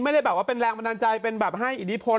ไม่ได้แบบว่าเป็นแรงบันดาลใจเป็นแบบให้อิทธิพล